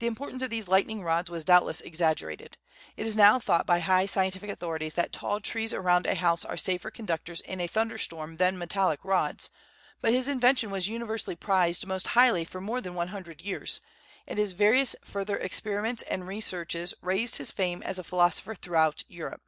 The importance of these lightning rods was doubtless exaggerated. It is now thought by high scientific authorities that tall trees around a house are safer conductors in a thunder storm than metallic rods; but his invention was universally prized most highly for more than one hundred years, and his various further experiments and researches raised his fame as a philosopher throughout Europe.